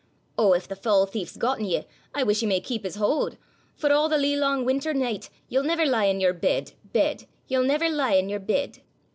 'O! if the foul thief's gotten ye, I wish he may keep his haud; For a' the lee lang winter nicht, Ye'll never lie in your bed, bed; Ye'll never lie in your bed.